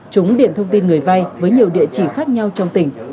chúng điện thông tin người vai với nhiều địa chỉ khác nhau trong tỉnh